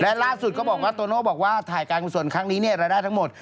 และล่าสุดเค้าบอกว่าโตโน่ไถ่การผลส่งครั้งนี้เราได้ทั้งหมด